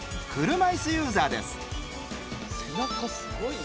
車椅子ユーザーです。